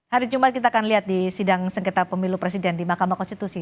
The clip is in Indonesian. hari jumat kita akan lihat di sidang sengketa pemilu presiden di mahkamah konstitusi